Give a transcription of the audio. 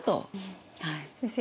先生